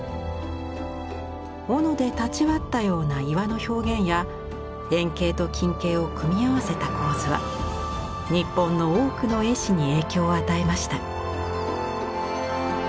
おので断ち割ったような岩の表現や遠景と近景を組み合わせた構図は日本の多くの絵師に影響を与えました。